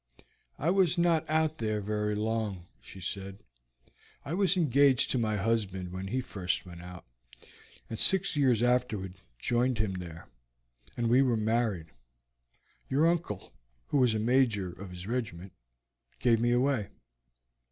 "I was not out there very long," she said. "I was engaged to my husband when he first went out, and six years afterwards joined him there, and we were married. Your uncle, who was a major of his regiment, gave me away.